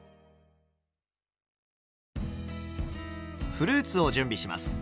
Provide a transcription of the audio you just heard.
フルーツを準備します。